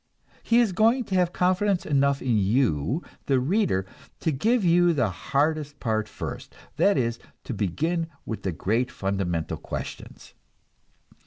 He is going to have confidence enough in you, the reader, to give you the hardest part first; that is, to begin with the great fundamental questions.